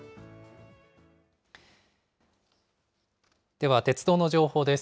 では鉄道の情報です。